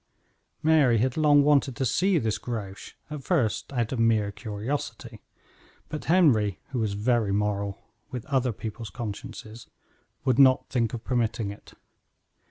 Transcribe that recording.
Mary had long wanted to see this Grouche, at first out of mere curiosity; but Henry, who was very moral with other people's consciences would not think of permitting it.